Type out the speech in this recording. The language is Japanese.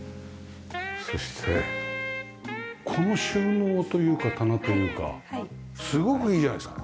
そしてこの収納というか棚というかすごくいいじゃないですか。